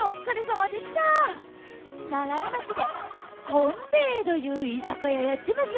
西風町でとん兵衛どいう居酒屋やってます。